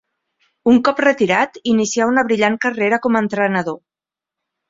Un cop retirat inicià una brillant carrera com a entrenador.